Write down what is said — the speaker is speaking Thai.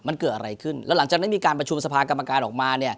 มันเกิดอะไรขึ้นแล้วหลังจากนั้นมีการประชุมสภากรรมการออกมา